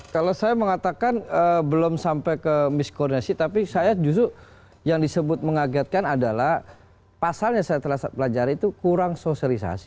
kalau saya mengatakan belum sampai ke miskoordinasi tapi saya justru yang disebut mengagetkan adalah pasal yang saya telah pelajari itu kurang sosialisasi